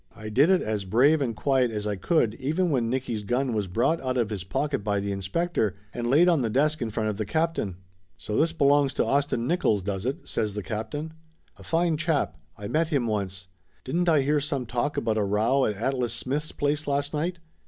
I did it as brave and quiet as I could even when Nicky's gun was brought out of his pocket by the inspector and laid on the desk in front of the captain. "So this belongs to Austin Nickolls, does it?" says the captain. "A fine chap I met him once. Didn't I hear some talk about a row at Atlas Smith's place last night